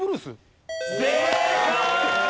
正解！